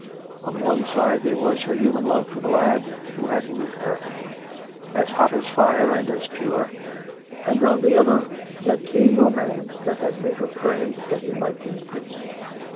On the one side there was her human love for the lad who had wooed her — as hot as fire, and as pure — and on the other that keen romance that had made her pray that he might be a priest.